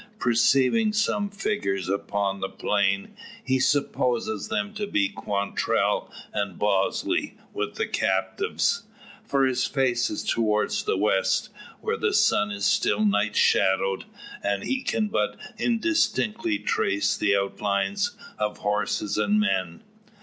Perceiving some figures upon the plain, he supposes them to be Quantrell and Bosley with the captives. For his face is toward the west, where the sky is still night shadowed, and he can but indistinctly trace the outlines of horses and men.